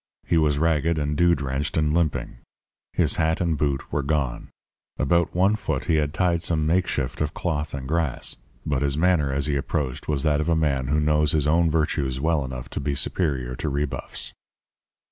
He was ragged and dew drenched and limping. His hat and one boot were gone. About one foot he had tied some makeshift of cloth and grass. But his manner as he approached was that of a man who knows his own virtues well enough to be superior to rebuffs.